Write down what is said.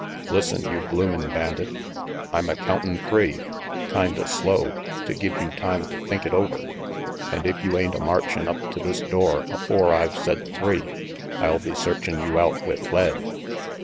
Listen, you bloomin' bandit, I'm a countin' three, kinda slow, to give you time to think it over, an' if you ain't a marchin' up to this door afore I've said three, I'll be searchin' you out with lead."